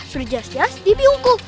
sudah jelas jelas dia biungku